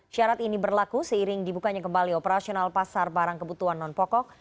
syarat ini berlaku seiring dibukanya kembali operasional pasar barang kebutuhan non pokok